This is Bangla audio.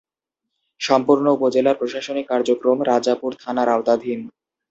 সম্পূর্ণ উপজেলার প্রশাসনিক কার্যক্রম রাজাপুর থানার আওতাধীন।